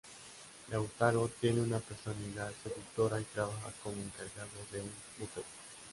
Lautaro tiene una personalidad seductora y trabaja como encargado de un buffet.